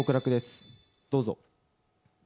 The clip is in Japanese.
どうぞ。